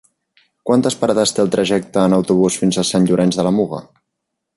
Quantes parades té el trajecte en autobús fins a Sant Llorenç de la Muga?